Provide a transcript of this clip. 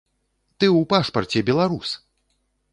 Ты ў пашпарце беларус!